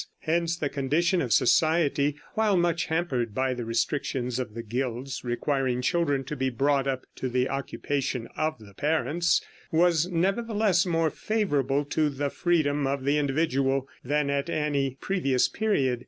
Hence the condition of society, while much hampered by the restrictions of the guilds requiring children to be brought up to the occupation of the parents, was nevertheless more favorable to the freedom of the individual than at any previous period.